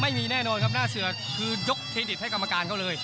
ไม่มีแน่นอนครับหน้าเสือคือยกเครดิตให้กรรมการเขาเลย